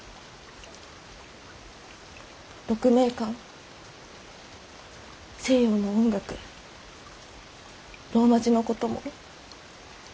鹿鳴館西洋の音楽ローマ字のことも。